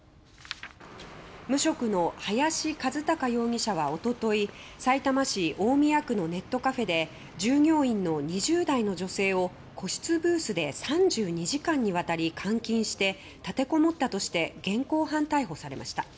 無職の林一貴容疑者は一昨日さいたま市大宮区のネットカフェで従業員の２０代の女性を個室ブースで３２時間にわたり監禁して立てこもったとして現行犯逮捕されました。